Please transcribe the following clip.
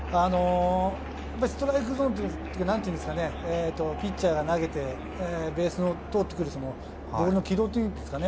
ストライクゾーン、なんていうんですかね、ピッチャーが投げて、ベースを通ってくるボールの軌道っていうんですかね。